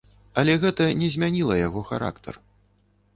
Але гэта не змяніла яго характар.